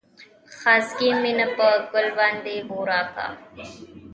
خاصګي مينه په ګل باندې بورا کا